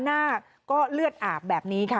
หน้าก็เลือดอาบแบบนี้ค่ะ